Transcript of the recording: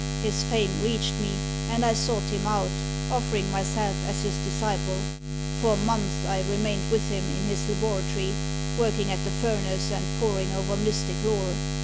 His fame reached me, and I sought him out, offering myself as his disciple. For months, I remained with him in his laboratory working at the furnace, and poring over mystic lore.